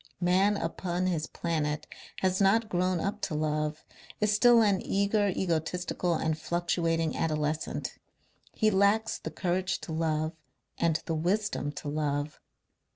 Man upon his planet has not grown up to love, is still an eager, egotistical and fluctuating adolescent. He lacks the courage to love and the wisdom to love.